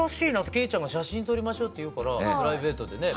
惠ちゃんが写真撮りましょうって言うからプライベートでね。